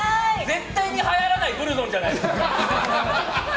絶対にはやらないブルゾンじゃないですか。